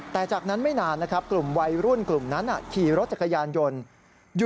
แต่จากนั้นไม่นานนะครับกลุ่มวัยรุ่นกลุ่มนั้นขี่รถจักรยานยนต์